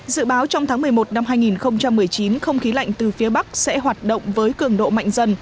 dự báo trong tháng một mươi một năm hai nghìn một mươi chín không khí lạnh từ phía bắc sẽ hoạt động với cường độ mạnh dần